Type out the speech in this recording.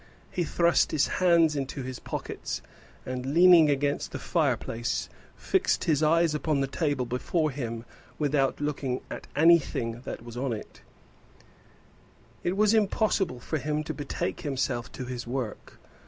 He thrust his hands into his pockets, and, leaning against the fire place, fixed his eyes upon the table before him without looking at anything that was on it; it was impossible for him to betake himself to his work.